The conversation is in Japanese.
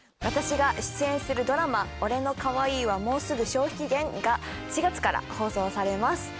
私が出演するドラマ『俺の可愛いはもうすぐ消費期限！？』が４月から放送されます。